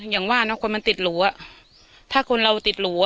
อย่างว่าเนอะคนมันติดหรูอ่ะถ้าคนเราติดหรูอ่ะ